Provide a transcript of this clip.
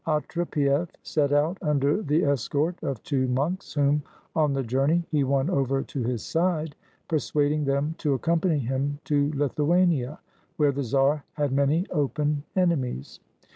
Otre pief set out under the escort of two monks, whom on the journey he won over to his side, persuading them to accompany him to Lithuania, where the czar had many open enemies.